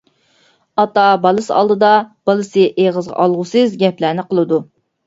ئاتا بالىسى ئالدىدا، بالىسى ئېغىزغا ئالغۇسىز گەپلەرنى قىلىدۇ.